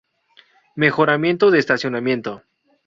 Mejoramiento de Estacionamiento.